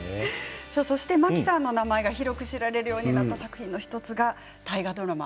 真木さんの名前が広く知られるようになった作品の１つが大河ドラマ